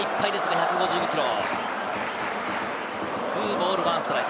１５５キロ。